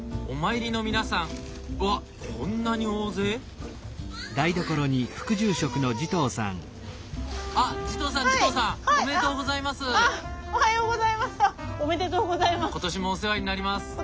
おめでとうございます！